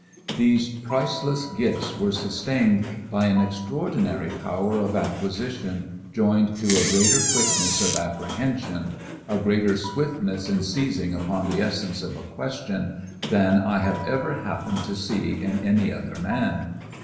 These priceless gifts were sustained by an extraordinary power of acquisition joined to a greater quickness of apprehension, a greater swiftness in seizing upon the essence of a question, than I have ever happened to see in any other man.